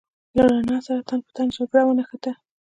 له رڼا سره تن په تن جګړه ونښته.